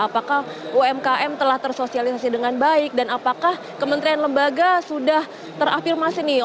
apakah umkm telah tersosialisasi dengan baik dan apakah kementerian lembaga sudah terafirmasi nih